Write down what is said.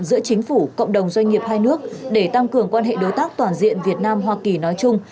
giữa chính phủ cộng đồng doanh nghiệp hai nước để tăng cường quan hệ đối tác toàn diện việt nam hoa kỳ nói chung